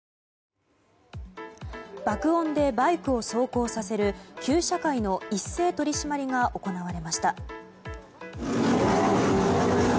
爆音でバイクを走行させる旧車會の一斉取り締まりが行われました。